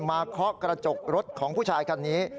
เคาะกระจกรถของผู้ชายคนนี้